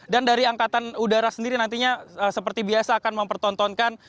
dan dari angkatan udara sendiri nantinya seperti biasa akan mempertontonkan